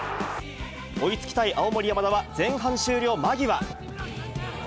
追いつきたい青森山田は前半終了間際。